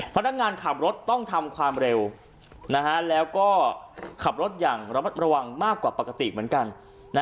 พนักงานขับรถต้องทำความเร็วอย่างเอยแล้วก็ขับรถเก็บให้รับระวังมากกว่าปกติเหมือนกัน